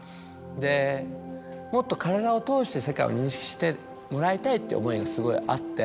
でもっと体を通して世界を認識してもらいたいっていう思いがすごいあって。